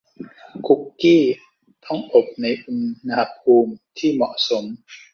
คุกกี้ต้องอบในอุณหภูมิที่เหมาะสม